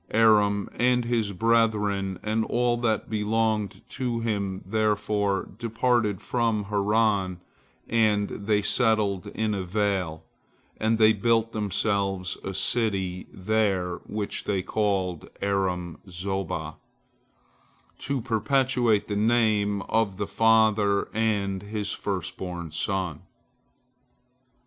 Aram and his brethren and all that belonged to him therefore departed from Haran, and they settled in a vale, and they built themselves a city there which they called Aram Zoba, to perpetuate the name of the father and his first born son.